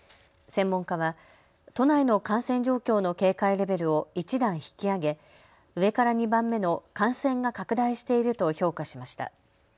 専門家は都内の感染状況の警戒レベルを１段引き上げ上から２番目の、感染が拡大していると評価しました。